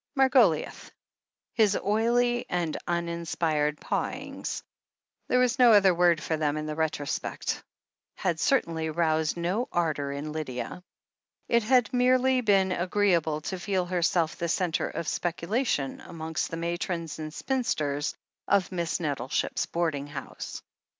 Margoliouth. His oily and uninspired pawings — there was no other word for them, in the retrospect — had certainly roused no ardour in Lydia. It had merely been agreeable to feel herself the centre of speculation amongst the matrons and spinsters of Miss Nettleship's boarding house.